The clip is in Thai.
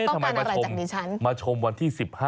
ต้องการอะไรจังนี่ฉันเอ๊ะทำไมมาชมวันที่๑๕